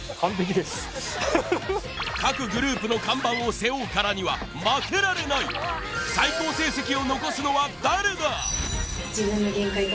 各グループの看板を背負うからには負けられない最高成績を残すのは誰だ？